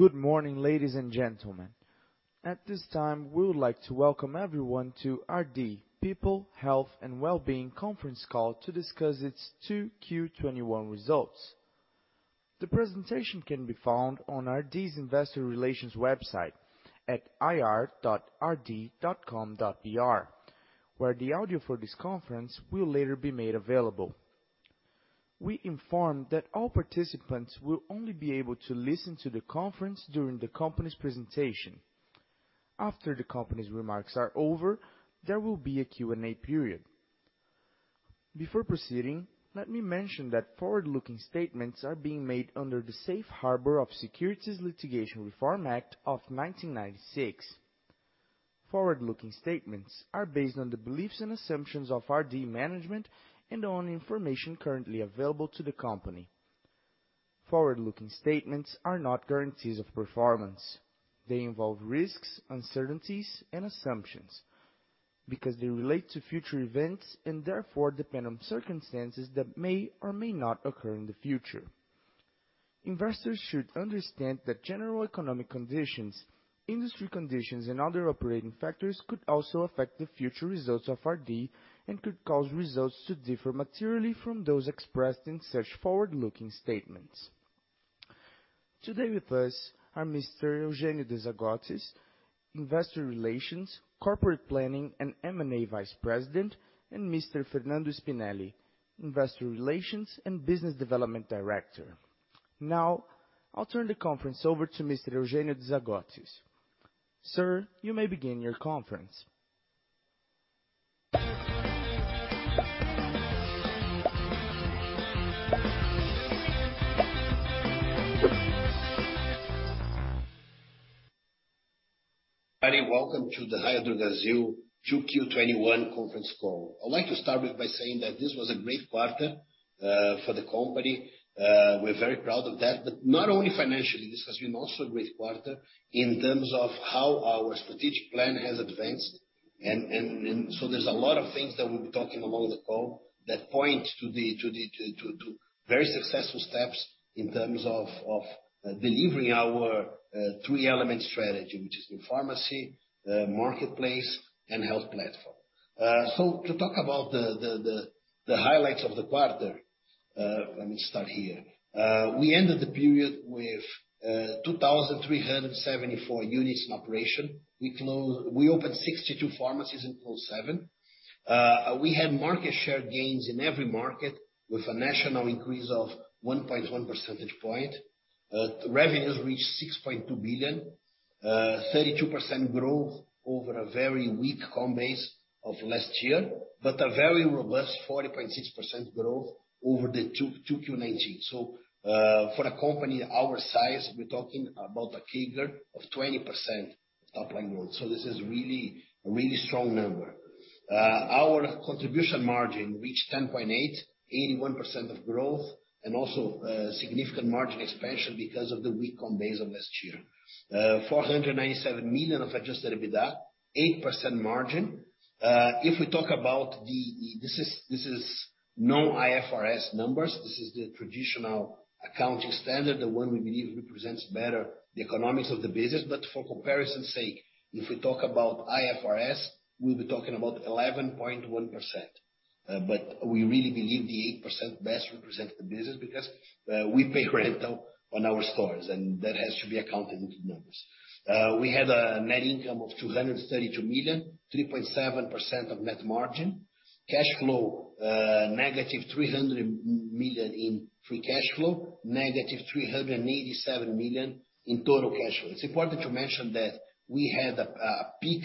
Good morning, ladies and gentlemen. At this time, we would like to welcome everyone to RD – People, Health and Well-being conference call to discuss its 2Q 2021 results. The presentation can be found on RD's investor relations website at ir.rd.com.br, where the audio for this conference will later be made available. We inform that all participants will only be able to listen to the conference during the company's presentation. After the company's remarks are over, there will be a Q&A period. Before proceeding, let me mention that forward-looking statements are being made under the Safe Harbor of Securities Litigation Reform Act of 1996. Forward-looking statements are based on the beliefs and assumptions of RD management and on information currently available to the company. Forward-looking statements are not guarantees of performance. They involve risks, uncertainties, and assumptions because they relate to future events and therefore depend on circumstances that may or may not occur in the future. Investors should understand that general economic conditions, industry conditions, and other operating factors could also affect the future results of RD and could cause results to differ materially from those expressed in such forward-looking statements. Today with us are Mr. Eugênio De Zagottis, Investor Relations, Corporate Planning, and M&A Vice President, and Mr. Fernando Spinelli, Investor Relations and Business Development Director. Now, I'll turn the conference over to Mr. Eugênio De Zagottis. Sir, you may begin your conference. Everybody welcome to the Raia Drogasil 2Q 2021 conference call. I'd like to start by saying that this was a great quarter for the company. We're very proud of that. Not only financially, this has been also a great quarter in terms of how our strategic plan has advanced. There's a lot of things that we'll be talking along the call that point to very successful steps in terms of delivering our three element strategy, which is pharmacy, marketplace, and health platform. To talk about the highlights of the quarter, let me start here. We ended the period with 2,374 units in operation. We opened 62 pharmacies and closed seven. We had market share gains in every market with a national increase of 1.1 percentage point. Revenues reached 6.2 billion. 32% growth over a very weak comp base of last year, a very robust 40.6% growth over the 2Q 2019. For a company our size, we're talking about a figure of 20% top-line growth. This is a really strong number. Our contribution margin reached 10.8, 81% of growth, and also significant margin expansion because of the weak comp base of last year. 497 million of adjusted EBITDA, 8% margin. This is non-IFRS numbers. This is the traditional accounting standard, the one we believe represents better the economics of the business. For comparison's sake, if we talk about IFRS, we'll be talking about 11.1%. We really believe the 8% best represents the business because we pay rental on our stores, and that has to be accounted into the numbers. We had a net income of 232 million, 3.7% of net margin. Cash flow, negative 300 million in free cash flow, negative 387 million in total cash flow. It's important to mention that we had a peak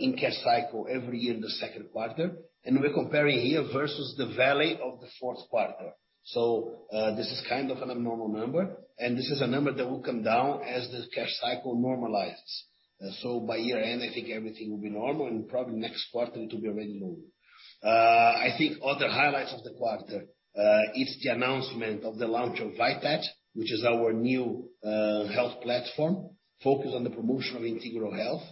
in cash cycle every year in the second quarter. We're comparing here versus the valley of the fourth quarter. This is kind of an abnormal number. This is a number that will come down as the cash cycle normalizes. By year-end, I think everything will be normal. Probably next quarter it will be already normal. I think other highlights of the quarter is the announcement of the launch of Vitat, which is our new health platform focused on the promotion of integral health.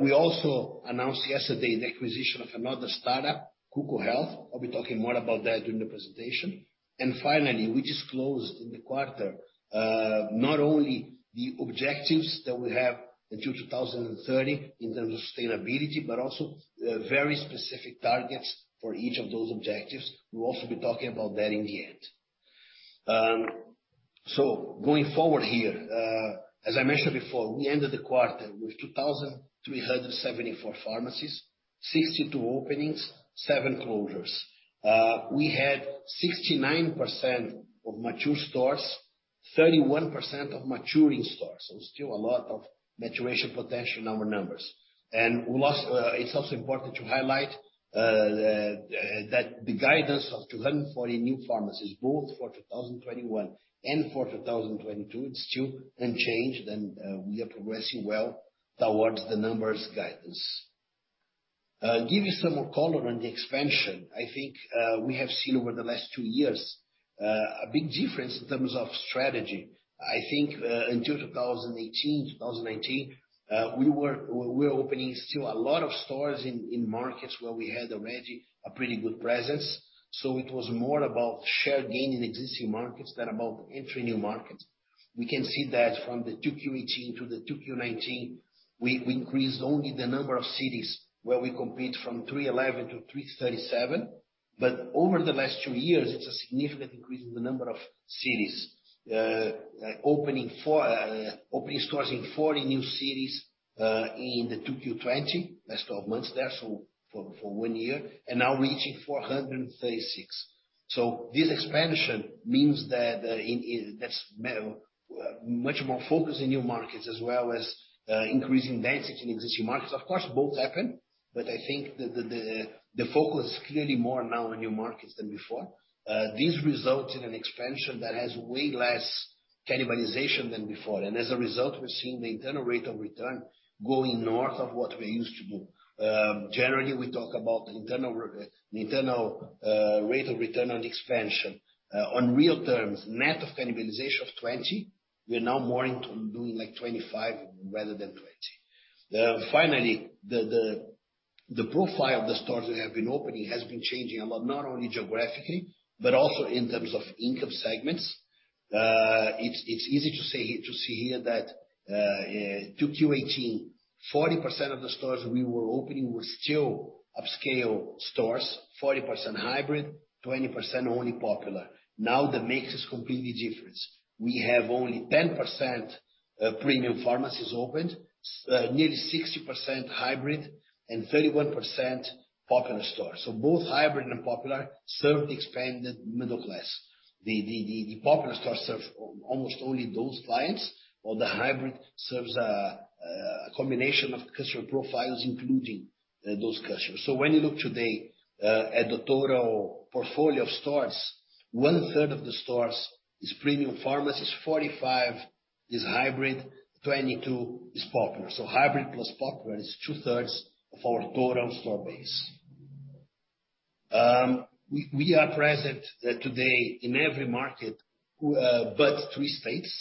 We also announced yesterday the acquisition of another startup, Cuco Health. I'll be talking more about that during the presentation. Finally, we disclosed in the quarter, not only the objectives that we have until 2030 in terms of sustainability, but also very specific targets for each of those objectives. We will also be talking about that in the end. Going forward here, as I mentioned before, we ended the quarter with 2,374 pharmacies, 62 openings, seven closures. We had 69% of mature stores, 31% of maturing stores. Still a lot of maturation potential in our numbers. It is also important to highlight that the guidance of 240 new pharmacies, both for 2021 and for 2022, it is still unchanged and we are progressing well towards the numbers guidance. Give you some more color on the expansion. I think we have seen over the last two years a big difference in terms of strategy. I think until 2018-2019, we're opening still a lot of stores in markets where we had already a pretty good presence. It was more about share gain in existing markets than about entering new markets. We can see that from the 2Q 2018 to the 2Q 2019, we increased only the number of cities where we compete from 311 to 337. Over the last two years, it's a significant increase in the number of cities. Opening stores in 40 new cities in the 2Q 2020, last 12 months there, so for one year, and now reaching 436. This expansion means that's much more focus in new markets as well as increasing density in existing markets. Of course, both happen, but I think the focus is clearly more now on new markets than before. This results in an expansion that has way less cannibalization than before. As a result, we're seeing the internal rate of return going north of what we're used to do. Generally, we talk about the internal rate of return on expansion. On real terms, net of cannibalization of 20, we're now more into doing 25 rather than 20. The profile of the stores we have been opening has been changing a lot, not only geographically, but also in terms of income segments. It's easy to see here that 2Q 2018, 40% of the stores we were opening were still upscale stores, 40% hybrid, 20% only popular. Now the mix is completely different. We have only 10% premium pharmacies opened, nearly 60% hybrid and 31% popular stores. Both hybrid and popular serve the expanded middle class. The popular stores serve almost only those clients, while the hybrid serves a combination of customer profiles, including those customers. When you look today at the total portfolio of stores, 1/3 of the stores is premium pharmacies, 45 is hybrid, 22 is popular. Hybrid plus popular is 2/3 of our total store base. We are present today in every market but three states,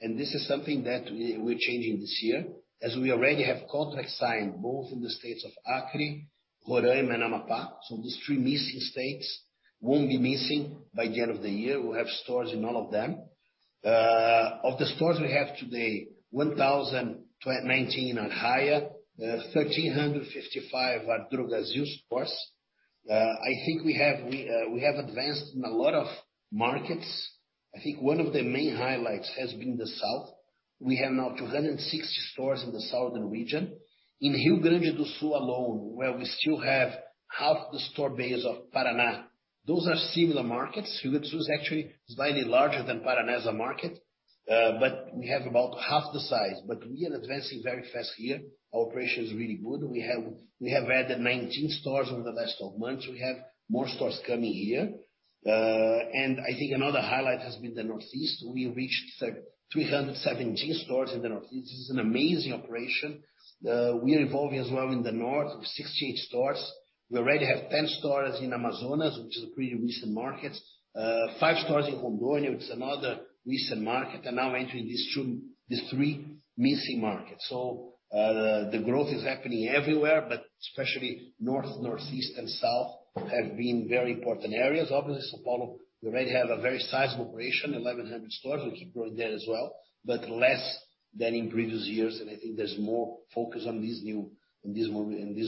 and this is something that we're changing this year, as we already have contracts signed both in the states of Acre, Roraima, and Amapá. These three missing states won't be missing by the end of the year. We'll have stores in all of them. Of the stores we have today, 1,019 are Raia, 1,355 are Drogasil stores. I think we have advanced in a lot of markets. I think one of the main highlights has been the South. We have now 260 stores in the southern region. In Rio Grande do Sul alone, where we still have half the store base of Paraná, those are similar markets. Rio Grande do Sul is actually slightly larger than Paraná as a market, but we have about half the size. We are advancing very fast here. Our operation is really good. We have added 19 stores over the last 12 months. We have more stores coming here. I think another highlight has been the Northeast. We reached 317 stores in the Northeast. This is an amazing operation. We are evolving as well in the North with 68 stores. We already have 10 stores in Amazonas, which is a pretty recent market. Five stores in Rondônia, which is another recent market, and now entering these three missing markets. The growth is happening everywhere, but especially North, Northeast, and South have been very important areas. Obviously, São Paulo, we already have a very sizable operation, 1,100 stores, which grew there as well, but less than in previous years. I think there's more focus on these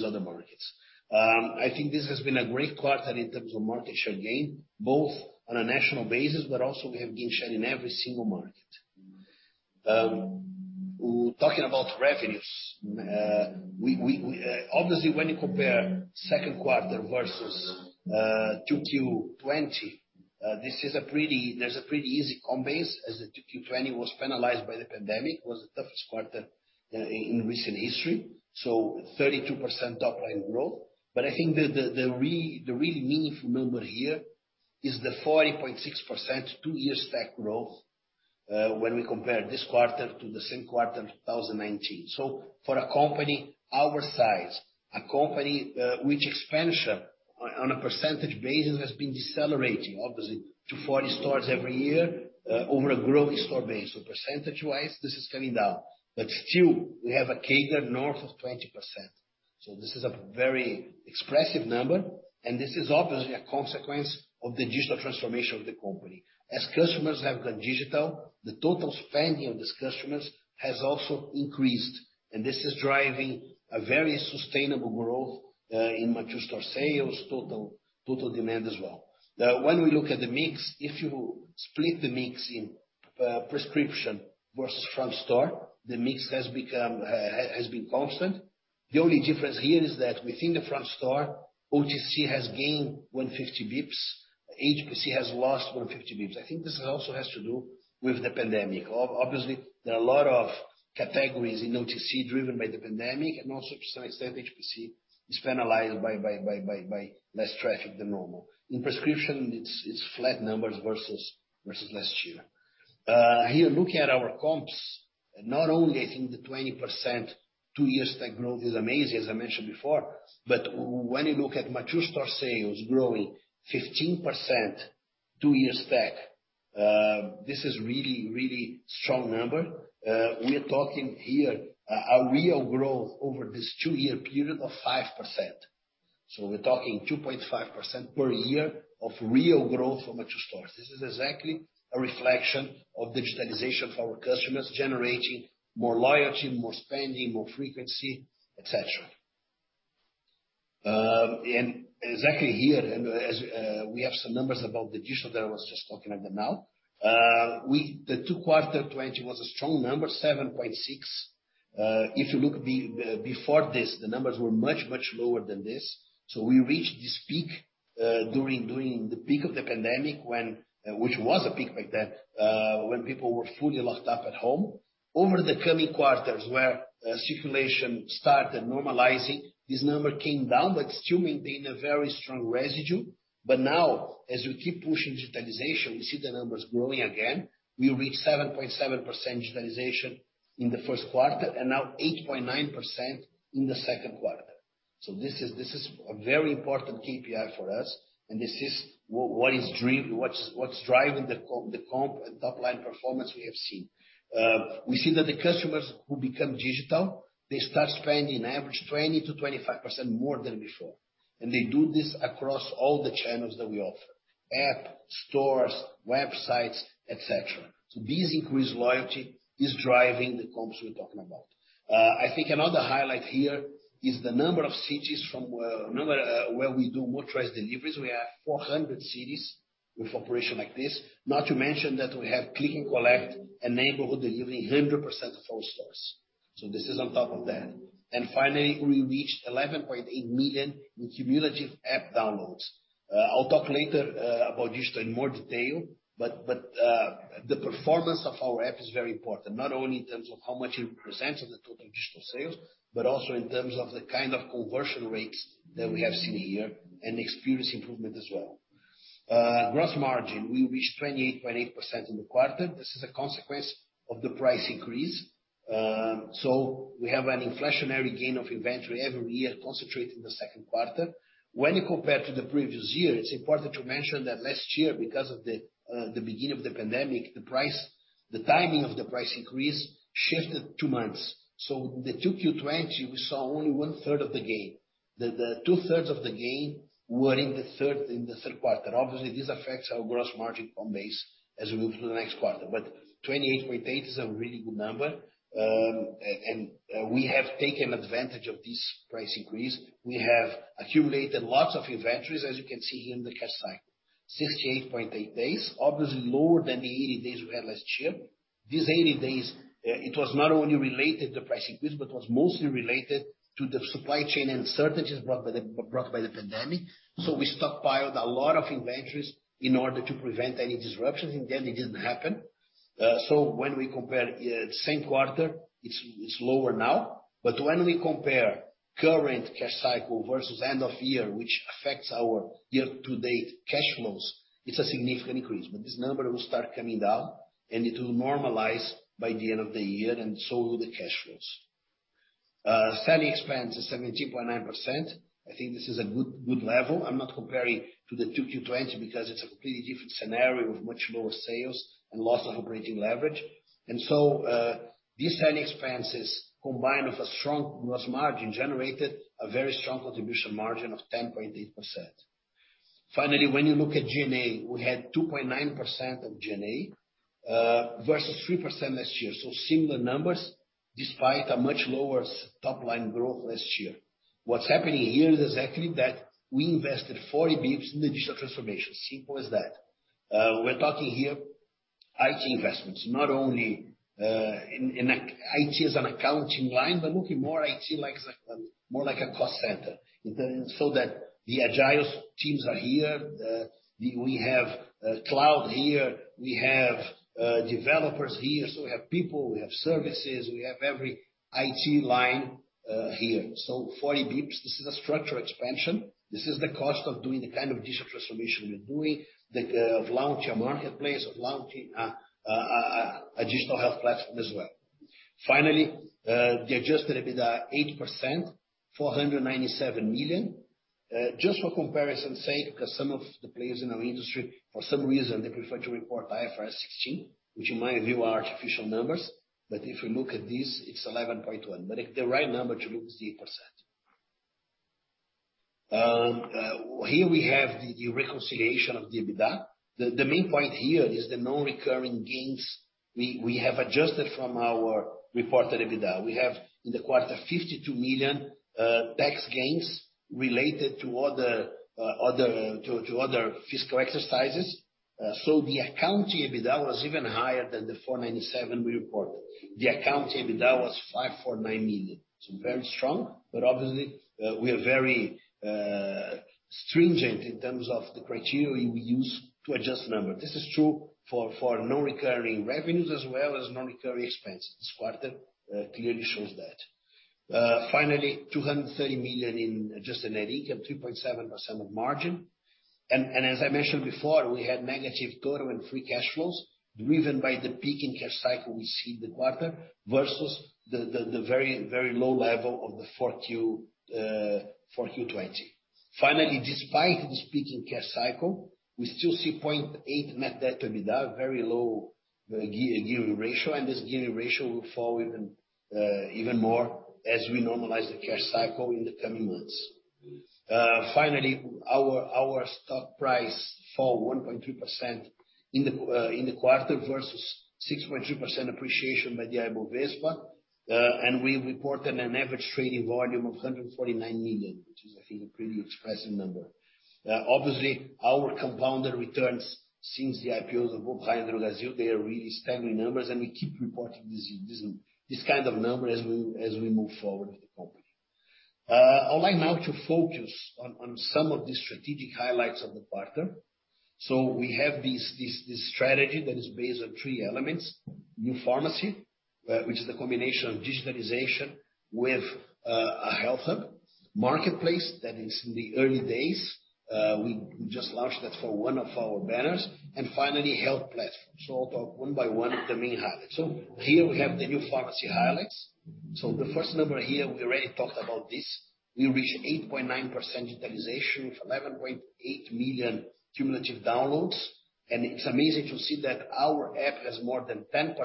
other markets. I think this has been a great quarter in terms of market share gain, both on a national basis, but also we have gain share in every single market. Talking about revenues, obviously when you compare second quarter versus 2Q 2020, there's a pretty easy comparison as the 2Q 2020 was penalized by the pandemic. It was the toughest quarter in recent history. 32% top-line growth. I think the really meaningful number here is the 40.6% two-year stack growth when we compare this quarter to the same quarter in 2019. For a company our size, a company which expansion on a percentage basis has been decelerating, obviously to 40 stores every year over a growing store base. Percentage-wise, this is coming down. Still, we have a CAGR north of 20%. This is a very expressive number, and this is obviously a consequence of the digital transformation of the company. As customers have gone digital, the total spending of these customers has also increased, and this is driving a very sustainable growth in mature store sales, total demand as well. When we look at the mix, if you split the mix in prescription versus front store, the mix has been constant. The only difference here is that within the front store, OTC has gained 150 basis points. HPC has lost 150 basis points. I think this also has to do with the pandemic. Obviously, there are a lot of categories in OTC driven by the pandemic. Also, to some extent, HPC is penalized by less traffic than normal. In prescription, it's flat numbers versus last year. Here, looking at our comps, not only I think the 20% two-year stack growth is amazing, as I mentioned before. When you look at mature store sales growing 15% two-year stack, this is really, really strong number. We're talking here a real growth over this two-year period of 5%. We're talking 2.5% per year of real growth from mature stores. This is exactly a reflection of digitalization of our customers, generating more loyalty, more spending, more frequency, et cetera. Exactly here, as we have some numbers about digital that I was just talking about now. The 2Q20 was a strong number, 7.6. If you look before this, the numbers were much, much lower than this. We reached this peak during the peak of the pandemic, which was a peak back then, when people were fully locked up at home. Over the coming quarters where circulation started normalizing, this number came down but still maintained a very strong residue. Now, as we keep pushing digitalization, we see the numbers growing again. We reach 7.7% digitalization in the first quarter, and now 8.9% in the second quarter. This is a very important KPI for us, and this is what's driving the comp and top-line performance we have seen. We see that the customers who become digital, they start spending an average 20%-25% more than before. They do this across all the channels that we offer. App, stores, websites, et cetera. This increased loyalty is driving the comps we're talking about. I think another highlight here is the number of cities where we do motorized deliveries, we have 400 cities with operation like this. Not to mention that we have click and collect, and neighborhood delivering 100% of all stores. This is on top of that. Finally, we reached 11.8 million in cumulative app downloads. I'll talk later about digital in more detail, but the performance of our app is very important, not only in terms of how much it represents of the total digital sales, but also in terms of the kind of conversion rates that we have seen here, and experience improvement as well. Gross margin, we reached 28.8% in the quarter. This is a consequence of the price increase. We have an inflationary gain of inventory every year concentrated in the second quarter. When you compare to the previous year, it is important to mention that last year, because of the beginning of the pandemic, the timing of the price increase shifted two months. The 2Q 2020, we saw only one-third of the gain. The 2/3 of the gain were in the third quarter. Obviously, this affects our gross margin on base as we move to the next quarter. 28.8% is a really good number. We have accumulated lots of inventories, as you can see here in the cash cycle, 68.8 days, obviously lower than the 80 days we had last year. These 80 days, it was not only related to price increase, but was mostly related to the supply chain uncertainties brought by the pandemic. We stockpiled a lot of inventories in order to prevent any disruptions. In the end, it didn't happen. When we compare same quarter, it's lower now. When we compare current cash cycle versus end of year, which affects our year-to-date cash flows, it's a significant increase. This number will start coming down and it will normalize by the end of the year, and so will the cash flows. Selling expense is 17.9%. I think this is a good level. I'm not comparing to the 2Q 2020 because it's a completely different scenario of much lower sales and loss of operating leverage. These selling expenses, combined with a strong gross margin, generated a very strong contribution margin of 10.8%. When you look at G&A, we had 2.9% of G&A versus 3% last year. Similar numbers, despite a much lower top-line growth last year. What's happening here is exactly that we invested 40 bps in the digital transformation, simple as that. We're talking here IT investments, not only in IT as an accounting line, but looking more IT like a cost center. That the Agile teams are here, we have cloud here, we have developers here. We have people, we have services, we have every IT line here. 40 bps, this is a structural expansion. This is the cost of doing the kind of digital transformation we're doing, of launching a marketplace, of launching a digital health platform as well. Finally, the adjusted EBITDA 8%, 497 million. Just for comparison's sake, because some of the players in our industry, for some reason, they prefer to report IFRS 16, which in my view are artificial numbers. If you look at this, it's 11.1%. The right number to look is 8%. Here we have the reconciliation of the EBITDA. The main point here is the non-recurring gains we have adjusted from our reported EBITDA. We have, in the quarter, 52 million tax gains related to other fiscal exercises. The accounting EBITDA was even higher than 497 million we reported. The accounting EBITDA was 549 million. Very strong, but obviously we are very stringent in terms of the criteria we use to adjust the number. This is true for non-recurring revenues as well as non-recurring expenses. This quarter clearly shows that. Finally, 230 million in adjusted net income, 3.7% of margin. As I mentioned before, we had negative total and free cash flows driven by the peak in cash cycle we see in the quarter versus the very low level of the 4Q 2020. Finally, despite this peak in cash cycle, we still see 0.8 net debt to EBITDA, very low the gearing ratio and this gearing ratio will fall even more as we normalize the cash cycle in the coming months. Finally, our stock price fall 1.3% in the quarter versus 6.3% appreciation by the Ibovespa, and we reported an average trading volume of 149 million, which is, I think, a pretty expressive number. Obviously, our compounded returns since the IPOs of both Raia and Drogasil, they are really staggering numbers, and we keep reporting this kind of number as we move forward with the company. I would like now to focus on some of the strategic highlights of the quarter. We have this strategy that is based on three elements. New Pharmacy, which is the combination of digitalization with a health hub. Marketplace, that is in the early days. We just launched that for one of our banners. Finally, health platforms. I'll talk one by one of the main highlights. Here we have the New Pharmacy highlights. The first number here, we already talked about this. We reached 8.9% digitization with 11.8 million cumulative downloads, and it's amazing to see that our app has more than 10%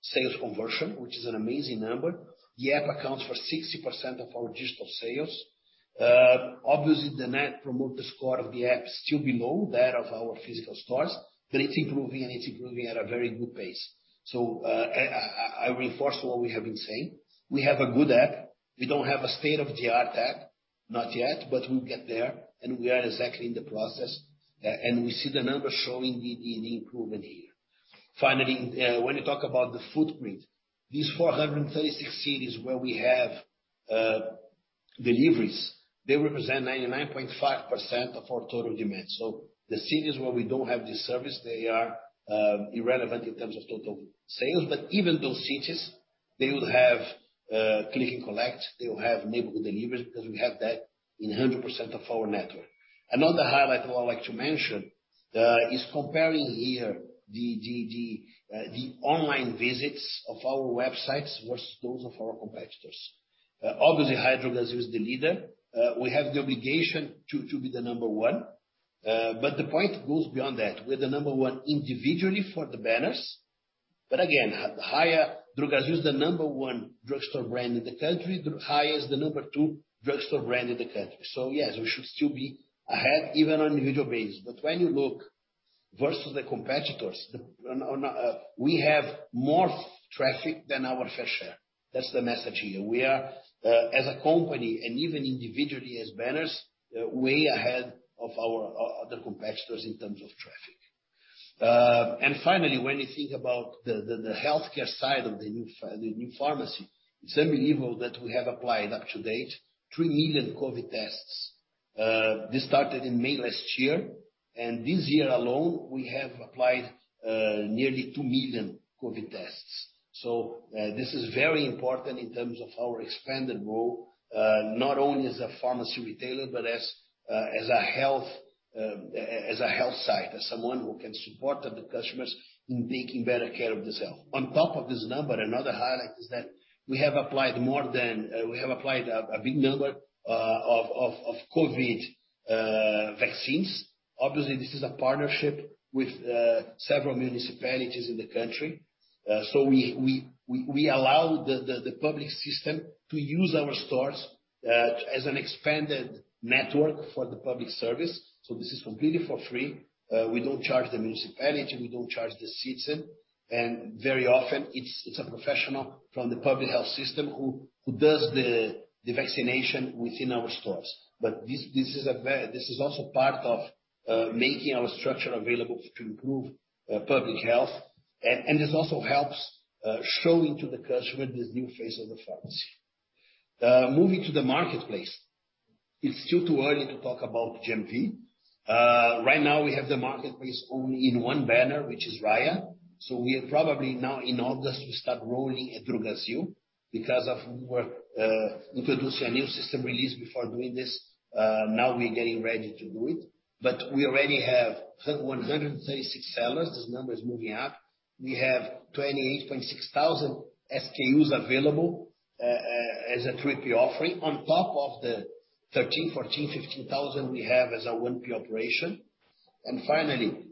sales conversion, which is an amazing number. The app accounts for 60% of our digital sales. Obviously, the net promoter score of the app is still below that of our physical stores, but it's improving, and it's improving at a very good pace. I reinforce what we have been saying. We have a good app. We don't have a state-of-the-art app, not yet, but we'll get there, and we are exactly in the process, and we see the numbers showing the improvement here. When you talk about the footprint, these 436 cities where we have deliveries, they represent 99.5% of our total demand. The cities where we don't have this service, they are irrelevant in terms of total sales, but even those cities, they will have click and collect, they will have neighborhood deliveries because we have that in 100% of our network. Another highlight I would like to mention is comparing here the online visits of our websites versus those of our competitors. Obviously, Drogasil is the leader. We have the obligation to be the number one. The point goes beyond that. We're the number one individually for the banners. Again, Drogasil is the number one drugstore brand in the country. Raia is the number two drugstore brand in the country. Yes, we should still be ahead even on individual basis. When you look versus the competitors, we have more traffic than our fair share. That's the message here. We are, as a company and even individually as banners, way ahead of our other competitors in terms of traffic. Finally, when you think about the healthcare side of the New Pharmacy, it's unbelievable that we have applied up to date 3 million COVID tests. This started in May last year, and this year alone, we have applied nearly 2 million COVID tests. This is very important in terms of our expanded role, not only as a pharmacy retailer, but as a health site, as someone who can support the customers in taking better care of themselves. On top of this number, another highlight is that we have applied a big number of COVID vaccines. Obviously, this is a partnership with several municipalities in the country. We allow the public system to use our stores as an expanded network for the public service. This is completely for free. We don't charge the municipality, we don't charge the citizen. Very often it's a professional from the public health system who does the vaccination within our stores. This is also part of making our structure available to improve public health, and this also helps showing to the customer this new face of the pharmacy. Moving to the marketplace. It's still too early to talk about GMV. Right now we have the marketplace only in one banner, which is Raia. We are probably now in August to start rolling at Drogasil because we were introducing a new system release before doing this. Now we're getting ready to do it. We already have 136 sellers. This number is moving up. We have 28.6 thousand SKUs available as a 3P offering on top of the 13, 14, 15 thousand we have as a 1P operation. Finally,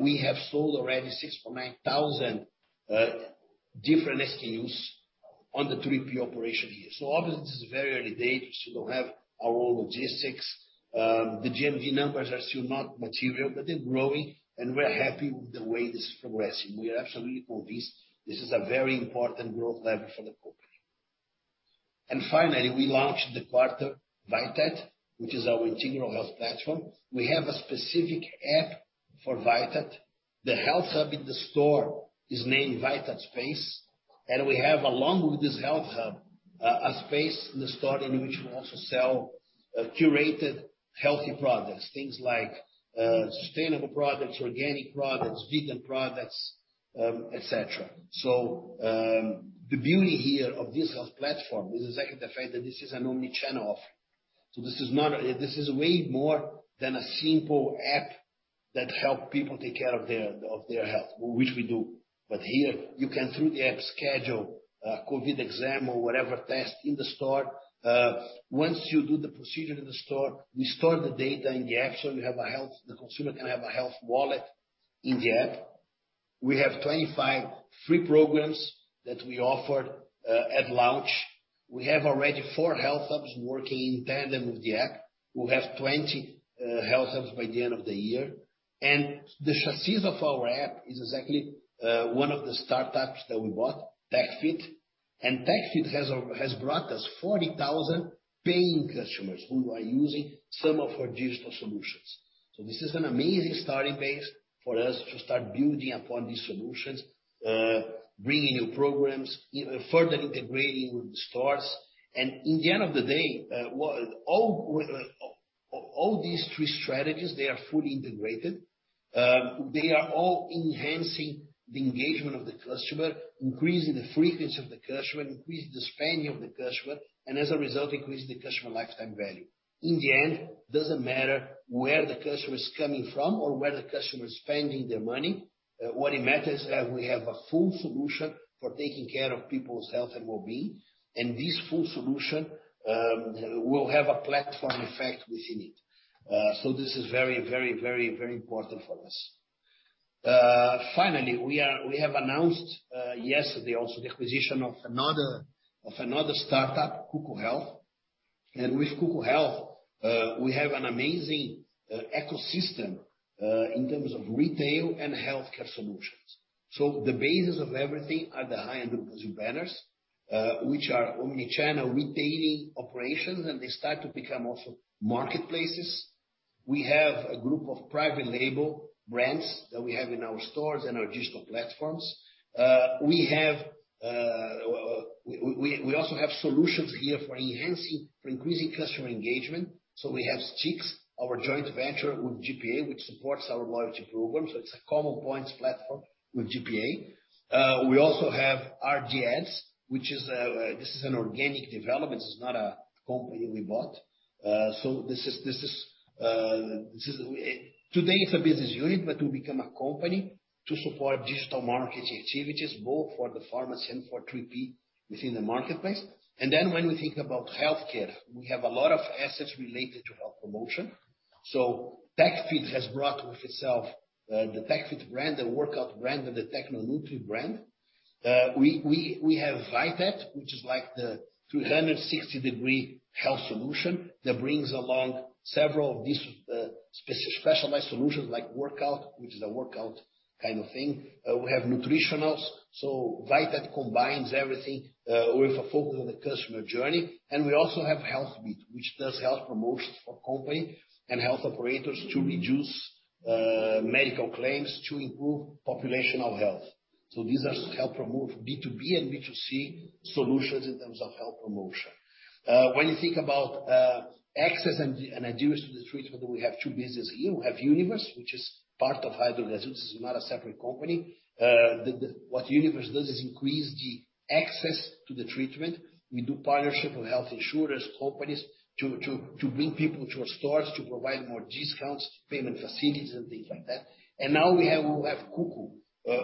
we have sold already 6.9 thousand different SKUs on the 3P operation here. Obviously, this is very early days. We still don't have our own logistics. The GMV numbers are still not material, but they're growing, and we're happy with the way it's progressing. We are absolutely convinced this is a very important growth lever for the company. Finally, we launched the quarter Vitat, which is our integral health platform. We have a specific app for Vitat. The health hub in the store is named Vitat Space, and we have, along with this health hub, a space in the store in which we also sell curated healthy products. Things like sustainable products, organic products, vegan products, et cetera. The beauty here of this health platform is exactly the fact that this is an omnichannel offering. This is way more than a simple app that help people take care of their health, which we do. Here you can, through the app, schedule a COVID exam or whatever test in the store. Once you do the procedure in the store, we store the data in the app. The consumer can have a health wallet in the app. We have 25 free programs that we offered at launch. We have already four health hubs working in tandem with the app. We'll have 20 health hubs by the end of the year. The chassis of our app is exactly one of the startups that we bought, TechFit, and TechFit has brought us 40,000 paying customers who are using some of our digital solutions. This is an amazing starting base for us to start building upon these solutions, bringing new programs, further integrating with the stores. In the end of the day, all these three strategies, they are fully integrated. They are all enhancing the engagement of the customer, increasing the frequency of the customer, increasing the spending of the customer, and as a result, increasing the customer lifetime value. In the end, it doesn't matter where the customer is coming from or where the customer is spending their money. What matters is that we have a full solution for taking care of people's health and well-being, and this full solution will have a platform effect within it. This is very, very, very, very important for us. Finally, we have announced yesterday also the acquisition of another startup, Cuco Health. With Cuco Health, we have an amazing ecosystem in terms of retail and healthcare solutions. The basis of everything are the high-end Drogasil banners which are omnichannel retailing operations, and they start to become also marketplaces. We have a group of private label brands that we have in our stores and our digital platforms. We also have solutions here for enhancing, for increasing customer engagement. We have Stix, our joint venture with GPA, which supports our loyalty program. It's a common points platform with GPA. We also have RG Ads. This is an organic development. This is not a company we bought. Today, it's a business unit, but will become a company to support digital marketing activities, both for the pharmacy and for 3P within the marketplace. When we think about healthcare, we have a lot of assets related to health promotion. TechFit has brought with itself, the TechFit brand, the Workout brand, or the Tecnonutri brand. We have Vitat, which is like the 360-degree health solution that brings along several of these specialized solutions like Workout, which is a workout kind of thing. We have Nutritionals. Vitat combines everything with a focus on the customer journey. We also have Healthbit, which does health promotions for company and health operators to reduce medical claims to improve populational health. These are health promote B2B and B2C solutions in terms of health promotion. When you think about access and adherence to the treatment, we have two business here. We have Univers, which is part of Raia Drogasil. This is not a separate company. What Univers does is increase the access to the treatment. We do partnership with health insurers, companies to bring people to our stores, to provide more discounts, payment facilities, and things like that. Now we have Cuco,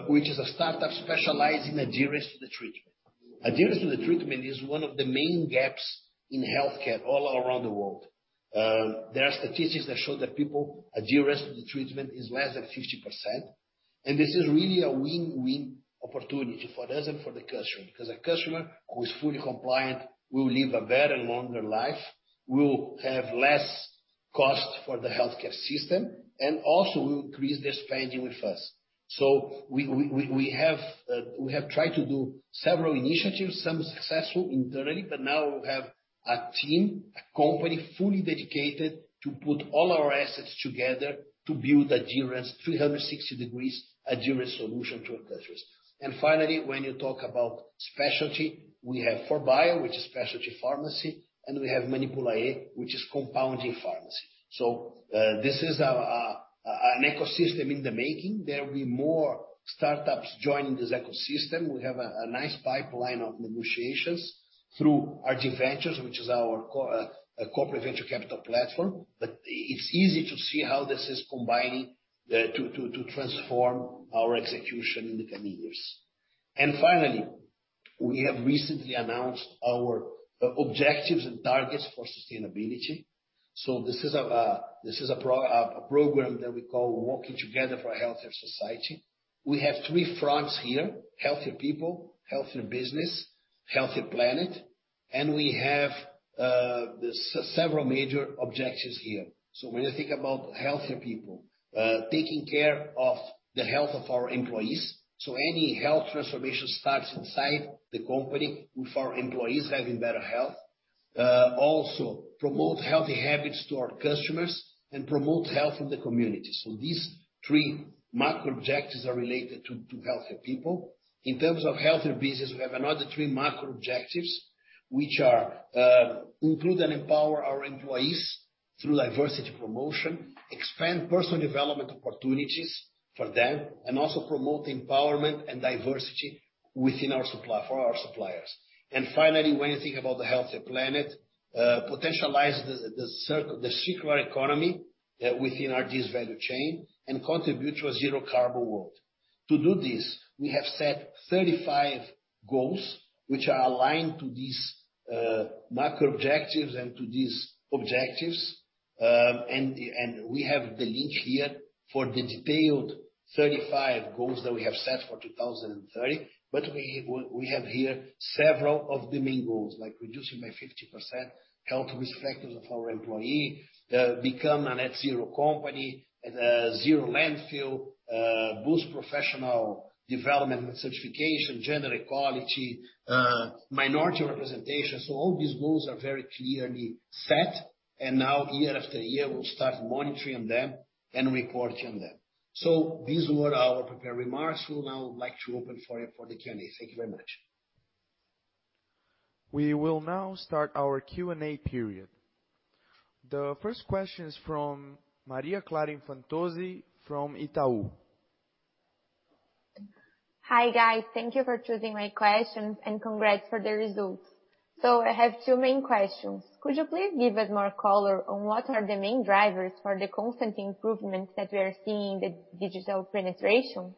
which is a startup specializing adherence to the treatment. Adherence to the treatment is one of the main gaps in healthcare all around the world. There are statistics that show that people, adherence to the treatment is less than 50%. This is really a win-win opportunity for us and for the customer, because a customer who is fully compliant will live a better and longer life, will have less cost for the healthcare system, and also will increase their spending with us. We have tried to do several initiatives, some successful internally, but now we have a team, a company fully dedicated to put all our assets together to build adherence, 360 degrees adherence solution to our customers. Finally, when you talk about specialty, we have 4Bio, which is specialty pharmacy, and we have Manipulaê, which is compounding pharmacy. This is an ecosystem in the making. There will be more startups joining this ecosystem. We have a nice pipeline of negotiations through RD Ventures, which is our corporate venture capital platform. It's easy to see how this is combining to transform our execution in the coming years. Finally, we have recently announced our objectives and targets for sustainability. This is a program that we call Walking Together for a Healthier Society. We have three fronts here, healthier people, healthier business, healthier planet, and we have several major objectives here. When you think about healthier people, taking care of the health of our employees. Any health transformation starts inside the company with our employees having better health. Also promote healthy habits to our customers and promote health in the community. These three macro-objectives are related to healthier people. In terms of healthier business, we have another three macro-objectives, which are, include and empower our employees through diversity promotion, expand personal development opportunities for them, and also promote empowerment and diversity within our supply for our suppliers. Finally, when you think about the healthier planet, potentialize the circular economy within our value chain and contribute to a zero-carbon world. To do this, we have set 35 goals which are aligned to these macro-objectives and to these objectives. We have the link here for the detailed 35 goals that we have set for 2030. We have here several of the main goals, like reducing by 50% health risk factors of our employee, become a net zero company, zero landfill, boost professional development and certification, gender equality, minority representation. All these goals are very clearly set. Now year after year, we'll start monitoring them and reporting on them. These were our prepared remarks. We would now like to open for the Q&A. Thank you very much. We will now start our Q&A period. The first question is from Maria Clara Infantozzi from Itaú. Hi, guys. Thank you for choosing my questions and congrats for the results. I have two main questions. Could you please give us more color on what are the main drivers for the constant improvements that we are seeing in the digital penetration?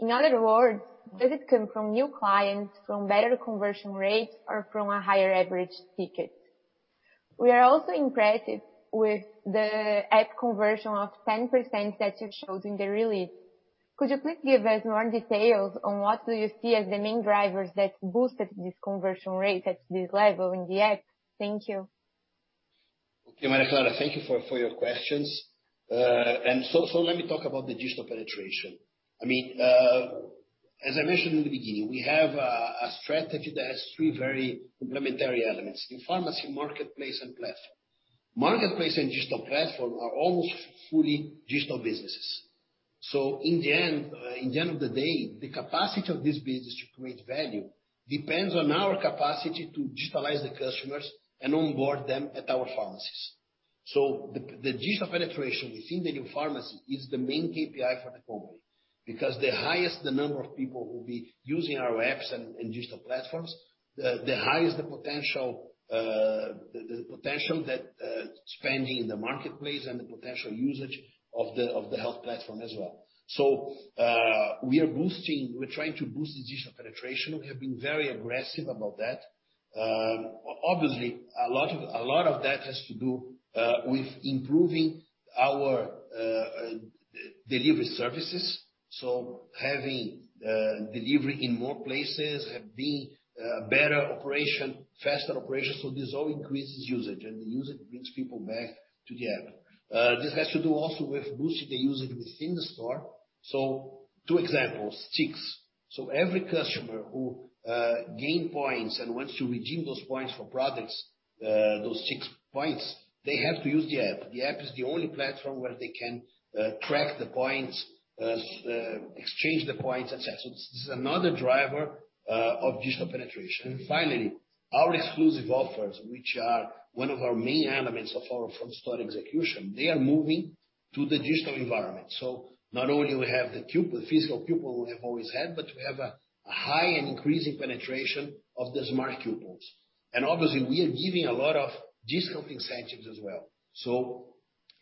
In other words, does it come from new clients, from better conversion rates, or from a higher average ticket? We are also impressed with the app conversion of 10% that you've shown in the release. Could you please give us more details on what do you see as the main drivers that boosted this conversion rate at this level in the app? Thank you. Okay, Maria Clara, thank you for your questions. Let me talk about the digital penetration. As I mentioned in the beginning, we have a strategy that has three very complementary elements: new pharmacy, marketplace, and platform. Marketplace and digital platform are almost fully digital businesses. In the end of the day, the capacity of this business to create value depends on our capacity to digitalize the customers and onboard them at our pharmacies. The digital penetration within the new pharmacy is the main KPI for the company, because the highest the number of people who'll be using our apps and digital platforms, the highest the potential that spending in the marketplace and the potential usage of the health platform as well. We're trying to boost the digital penetration. We have been very aggressive about that. Obviously, a lot of that has to do with improving our delivery services. Having delivery in more places, having better operation, faster operation. This all increases usage, and the usage brings people back to the app. This has to do also with boosting the usage within the store. Two examples. Stix. Every customer who gain points and wants to redeem those points for products, those Stix points, they have to use the app. The app is the only platform where they can track the points, exchange the points, et cetera. This is another driver of digital penetration. Finally, our exclusive offers, which are one of our main elements of our front store execution, they are moving to the digital environment. Not only we have the physical coupon we have always had, but we have a high and increasing penetration of the smart coupons. Obviously, we are giving a lot of discount incentives as well.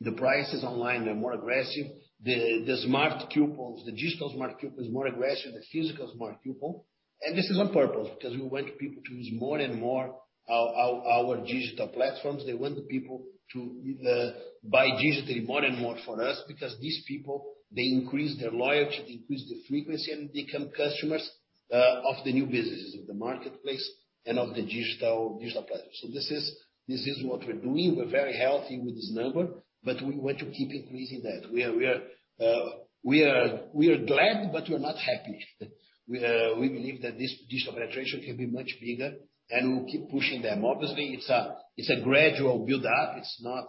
The prices online are more aggressive. The digital smart coupon is more aggressive than physical smart coupon. This is on purpose because we want people to use more and more our digital platforms. They want the people to buy digitally more and more for us because these people, they increase their loyalty, they increase the frequency and become customers of the new businesses, of the marketplace and of the digital platform. This is what we're doing. We're very healthy with this number, but we want to keep increasing that. We are glad, but we're not happy. We believe that this digital penetration can be much bigger, and we'll keep pushing them. Obviously, it's a gradual build-up. It's not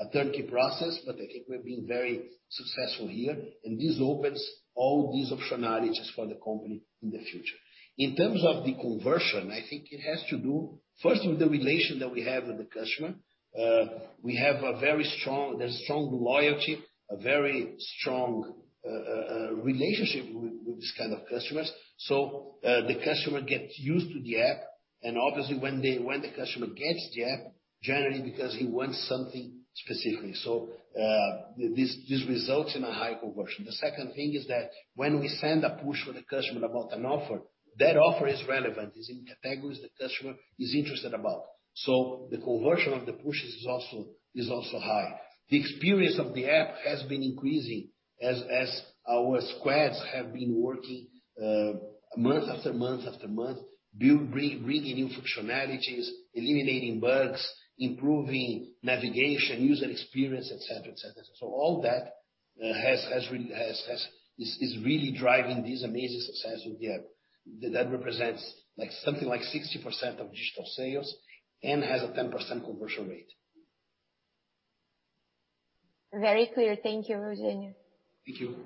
a turnkey process, but I think we're being very successful here, and this opens all these optionalities for the company in the future. In terms of the conversion, I think it has to do first with the relation that we have with the customer. There's strong loyalty, a very strong relationship with these kind of customers. The customer gets used to the app and obviously when the customer gets the app, generally because he wants something specifically. This results in a high conversion. The second thing is that when we send a push for the customer about an offer, that offer is relevant, is in categories the customer is interested about. The conversion of the pushes is also high. The experience of the app has been increasing as our squads have been working month after month after month, bringing new functionalities, eliminating bugs, improving navigation, user experience, et cetera. All that is really driving this amazing success with the app. That represents something like 60% of digital sales and has a 10% conversion rate. Very clear. Thank you, Eugênio. Thank you.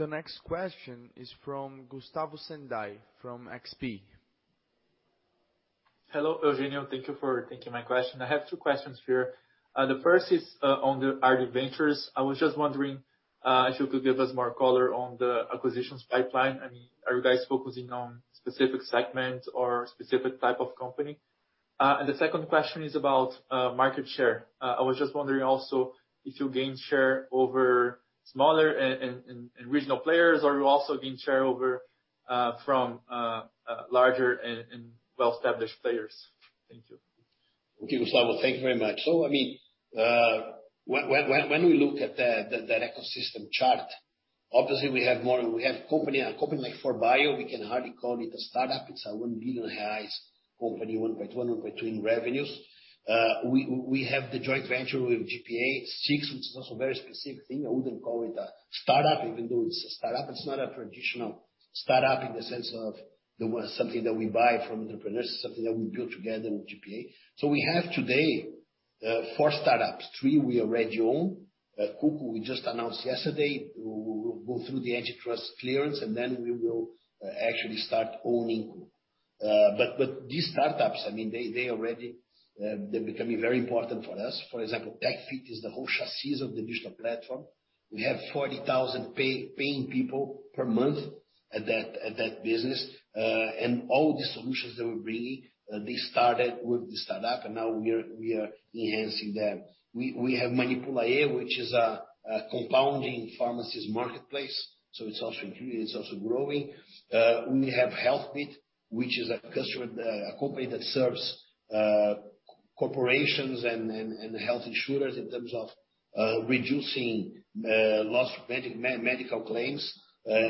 The next question is from Gustavo Senday from XP. Hello, Eugênio. Thank you for taking my question. I have two questions for you. The first is on the RD Ventures. I was just wondering if you could give us more color on the acquisitions pipeline. Are you guys focusing on specific segments or specific type of company? The second question is about market share. I was just wondering also if you gained share over smaller and regional players, or you also gained share over from larger and well-established players. Thank you. Okay, Gustavo, thank you very much. When we look at that ecosystem chart, obviously we have company like 4Bio, we can hardly call it a startup. It's a 1 billion reais company, 1.2 billion in revenues. We have the joint venture with GPA, Stix, which is also a very specific thing. I wouldn't call it a startup, even though it's a startup. It's not a traditional startup in the sense of it was something that we buy from entrepreneurs, something that we built together with GPA. We have today four startups. Three we already own. Cuco, we just announced yesterday. We'll go through the antitrust clearance, and then we will actually start owning Cuco. These startups, they're becoming very important for us. For example, tech.fit is the whole chassis of the digital platform. We have 40,000 paying people per month at that business. All the solutions that we're bringing, they started with the startup, and now we are enhancing them. We have Manipulaê, which is a compounding pharmacist marketplace, so it's also growing. We have Healthbit, which is a company that serves corporations and health insurers in terms of reducing loss, medical claims,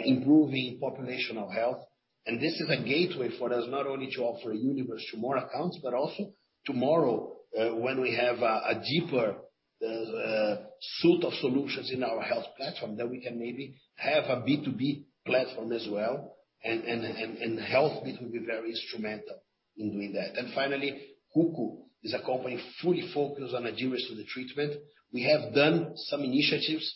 improving populational health. This is a gateway for us, not only to offer Univers to more accounts, but also tomorrow, when we have a deeper suit of solutions in our health platform, that we can maybe have a B2B platform as well, and Healthbit will be very instrumental in doing that. Finally, Cuco is a company fully focused on adherence to the treatment. We have done some initiatives,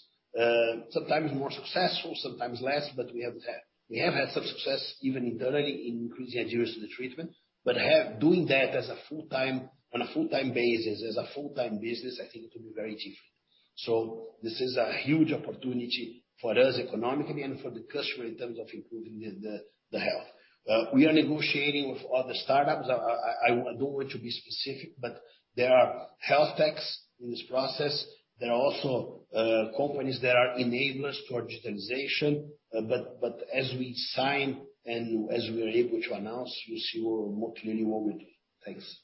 sometimes more successful, sometimes less, but we have that. We have had some success even internally in increasing adherence to the treatment, but doing that on a full-time basis, as a full-time business, I think it will be very different. This is a huge opportunity for us economically and for the customer in terms of improving the health. We are negotiating with other startups. I don't want to be specific, but there are health techs in this process. There are also companies that are enablers to digitization. As we sign and as we are able to announce, you'll see more clearly what we do. Thanks.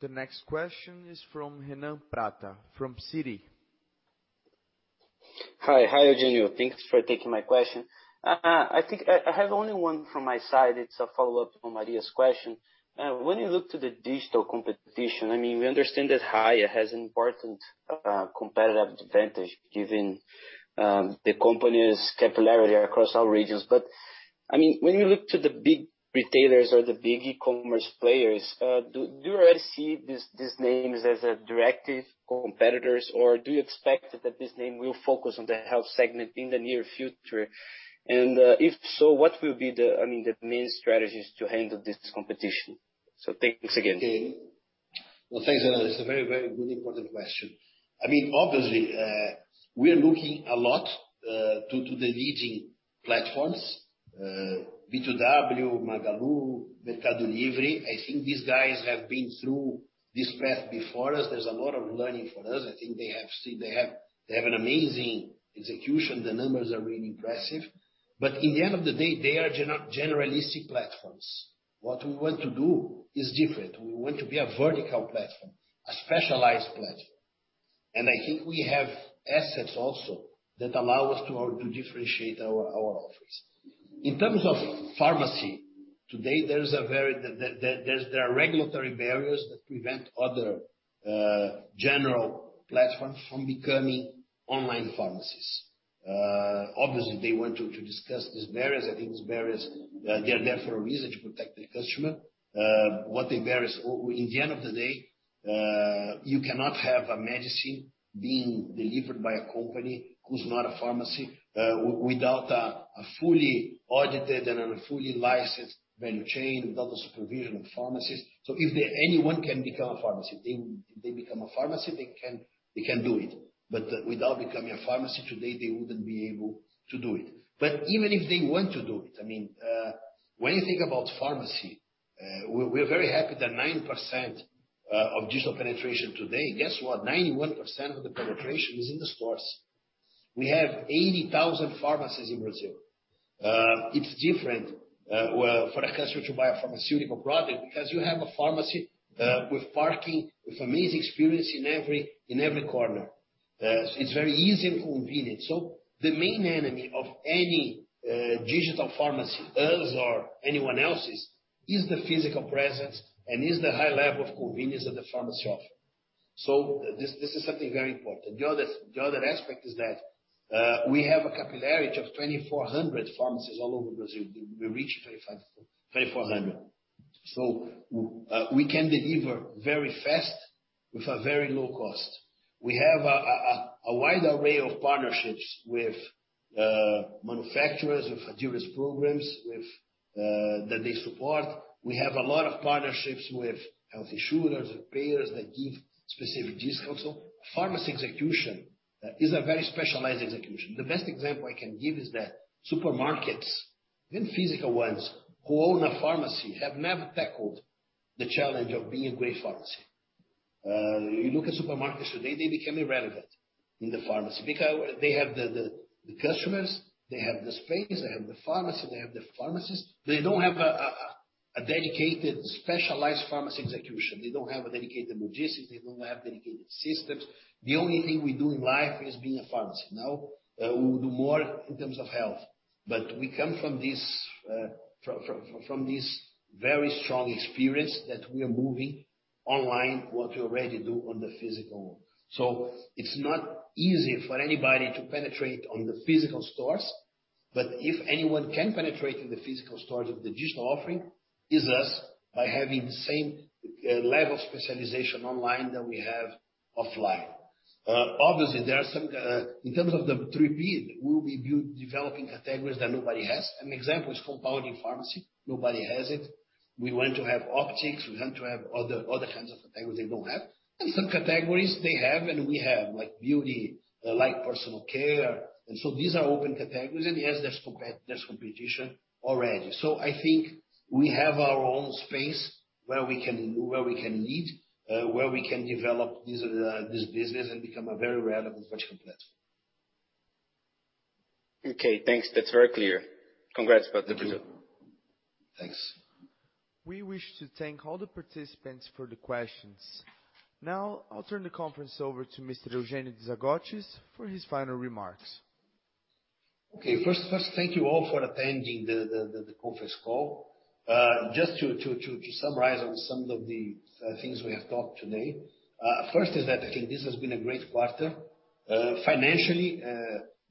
The next question is from Renan Prata from Citi. Hi, Eugênio. Thanks for taking my question. I think I have only one from my side. It's a follow-up on Maria's question. When you look to the digital competition, we understand that Raia has important competitive advantage given the company's capillarity across all regions. When you look to the big retailers or the big e-commerce players, do you already see these names as a directive competitors, or do you expect that this name will focus on the health segment in the near future? If so, what will be the main strategies to handle this competition? Thanks again. Okay. Well, thanks, Renan. It's a very important question. Obviously, we are looking a lot to the leading platforms, B2W, Magalu, Mercado Livre. I think these guys have been through this path before us. There's a lot of learning for us. I think they have an amazing execution. The numbers are really impressive. In the end of the day, they are generalistic platforms. What we want to do is different. We want to be a vertical platform, a specialized platform. I think we have assets also that allow us to differentiate our offerings. In terms of pharmacy, today there are regulatory barriers that prevent other general platforms from becoming online pharmacies. Obviously, they want to discuss these barriers. I think these barriers, they are there for a reason, to protect the customer. In the end of the day, you cannot have a medicine being delivered by a company who's not a pharmacy without a fully audited and a fully licensed value chain, without the supervision of pharmacies. If anyone can become a pharmacy, if they become a pharmacy, they can do it. Without becoming a pharmacy today, they wouldn't be able to do it. Even if they want to do it, when you think about pharmacy, we're very happy that 9% of digital penetration today, guess what? 91% of the penetration is in the stores. We have 80,000 pharmacies in Brazil. It's different for a customer to buy a pharmaceutical product because you have a pharmacy with parking, with amazing experience in every corner. It's very easy and convenient. The main enemy of any digital pharmacy, us or anyone else's, is the physical presence and is the high level of convenience that the pharmacy offer. This is something very important. The other aspect is that we have a capillarity of 2,400 pharmacies all over Brazil. We reach 2,400. We can deliver very fast with a very low cost. We have a wide array of partnerships with manufacturers, with adherence programs that they support. We have a lot of partnerships with health insurers, with payers that give specific discounts. Pharmacy execution that is a very specialized execution. The best example I can give is that supermarkets, even physical ones who own a pharmacy, have never tackled the challenge of being a great pharmacy. You look at supermarkets today, they become irrelevant in the pharmacy because they have the customers, they have the space, they have the pharmacy, they have the pharmacist. They don't have a dedicated, specialized pharmacy execution. They don't have dedicated logistics. They don't have dedicated systems. The only thing we do in life is being a pharmacy. Now, we will do more in terms of health. We come from this very strong experience that we are moving online, what we already do on the physical. It's not easy for anybody to penetrate on the physical stores. If anyone can penetrate in the physical stores with the digital offering, is us by having the same level of specialization online that we have offline. Obviously, in terms of the repeat, we'll be developing categories that nobody has. An example is compounding pharmacy. Nobody has it. We want to have optics, we want to have other kinds of categories they don't have. Some categories they have, and we have, like beauty, like personal care. These are open categories, and yes, there's competition already. I think we have our own space where we can lead, where we can develop this business and become a very relevant virtual platform. Okay, thanks. That's very clear. Congrats about the result. Thanks. We wish to thank all the participants for the questions. Now, I'll turn the conference over to Mr. Eugênio De Zagottis for his final remarks. First, thank you all for attending the conference call. Just to summarize on some of the things we have talked today. I think this has been a great quarter. Financially,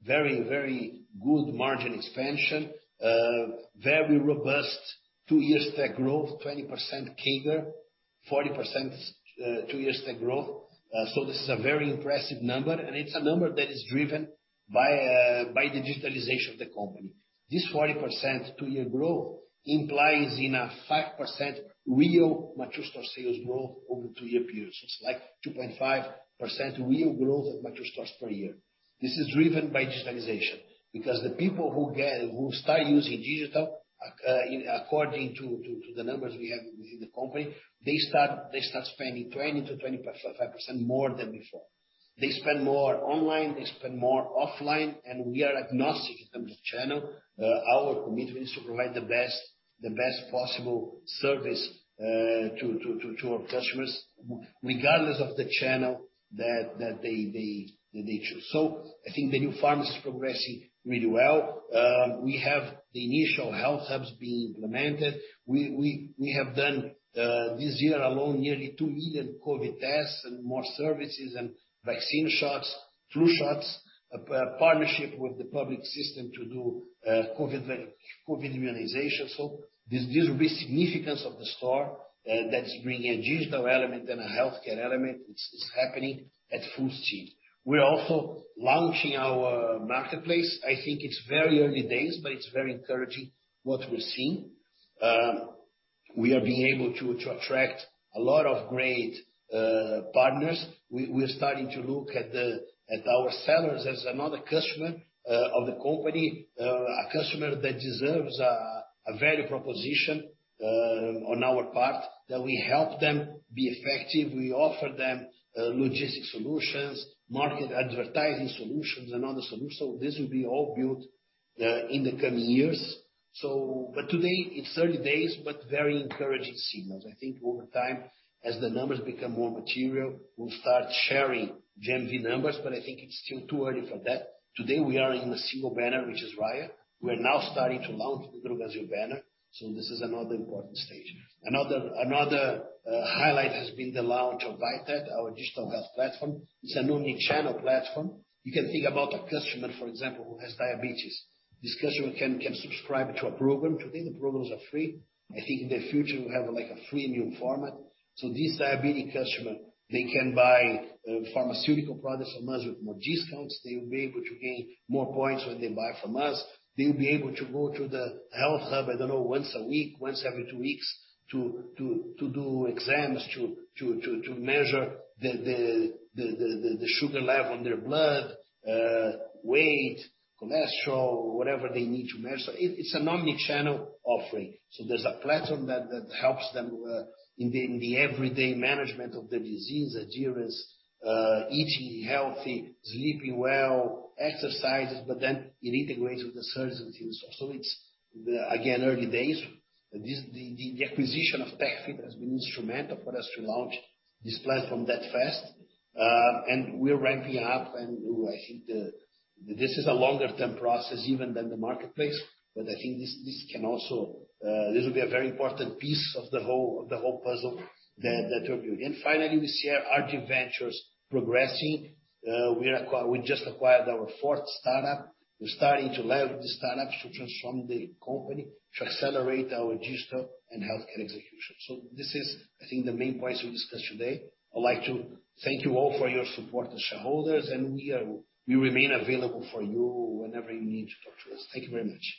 very, very good margin expansion, very robust two-year stack growth, 20% CAGR, 40% two-year stack growth. This is a very impressive number. It is a number that is driven by the digitalization of the company. This 40% two-year growth implies in a 5% real mature store sales growth over a two-year period. It is like 2.5% real growth at mature stores per year. This is driven by digitalization, because the people who start using digital, according to the numbers we have within the company, they start spending 20%-25% more than before. They spend more online, they spend more offline. We are agnostic in terms of channel. Our commitment is to provide the best possible service to our customers regardless of the channel that they choose. I think the new pharmacy is progressing really well. We have the initial health hubs being implemented. We have done, this year alone, nearly 2 million COVID tests and more services and vaccine shots, flu shots, a partnership with the public system to do COVID immunization. This will be significance of the store that's bringing a digital element and a healthcare element, it's happening at full steam. We're also launching our marketplace. I think it's very early days, but it's very encouraging what we're seeing. We are being able to attract a lot of great partners. We're starting to look at our sellers as another customer of the company, a customer that deserves a value proposition on our part, that we help them be effective. We offer them logistic solutions, market advertising solutions, and other solutions. This will be all built in the coming years. Today it's 30 days, but very encouraging signals. I think over time, as the numbers become more material, we'll start sharing GMV numbers, but I think it's still too early for that. Today we are in a single banner, which is Raia. We're now starting to launch the Drogasil banner, so this is another important stage. Another highlight has been the launch of Vitat, our digital health platform. It's an omnichannel platform. You can think about a customer, for example, who has diabetes. This customer can subscribe to a program. Today, the programs are free. I think in the future, we'll have a premium format. This diabetic customer, they can buy pharmaceutical products from us with more discounts. They will be able to gain more points when they buy from us. They'll be able to go to the health hub, I don't know, once a week, once every two weeks to do exams to measure the sugar level in their blood, weight, cholesterol, whatever they need to measure. It's an omnichannel offering. There's a platform that helps them in the everyday management of the disease adherence, eating healthy, sleeping well, exercises, but then it integrates with the services. It's, again, early days. The acquisition of tech.fit has been instrumental for us to launch this platform that fast. We're ramping up, and I think this is a longer-term process even than the marketplace, but I think this will be a very important piece of the whole puzzle that we're building. Finally, we see our ventures progressing. We just acquired our fourth startup. We're starting to leverage the startup to transform the company to accelerate our digital and healthcare execution. This is, I think, the main points we discussed today. I'd like to thank you all for your support as shareholders, and we remain available for you whenever you need to talk to us. Thank you very much.